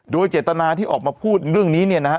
โดยเจตนาที่ออกมาพูดเรื่องนี้